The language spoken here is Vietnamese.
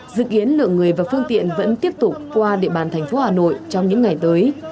dự kiến lượng người và phương tiện vẫn tiếp tục qua địa bàn thành phố hà nội trong những ngày tới